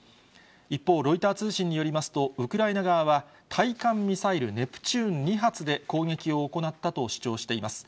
一方、ロイター通信によりますと、ウクライナ側は、対艦ミサイル、ネプチューン２発で攻撃を行ったと主張しています。